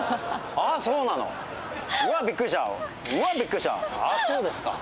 あっそうですか。